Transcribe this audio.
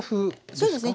そうですね。